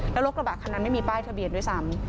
แล้วรถกระบะคันนั้นไม่มีป้ายทะเบียนด้วยซ้ำ